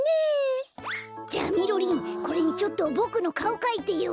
じゃみろりんこれにちょっとボクのかおかいてよ！